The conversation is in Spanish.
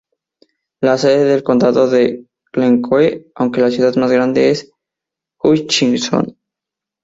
La sede del condado es Glencoe aunque la ciudad más grande es Hutchinson.